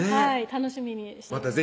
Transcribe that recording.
楽しみにしてます